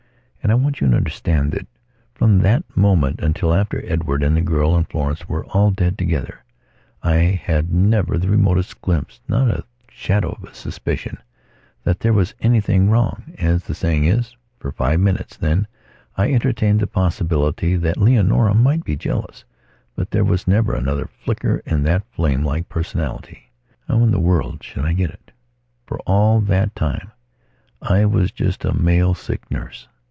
And I want you to understand that, from that moment until after Edward and the girl and Florence were all dead together, I had never the remotest glimpse, not the shadow of a suspicion, that there was anything wrong, as the saying is. For five minutes, then, I entertained the possibility that Leonora might be jealous; but there was never another flicker in that flame like personality. How in the world should I get it? For, all that time, I was just a male sick nurse.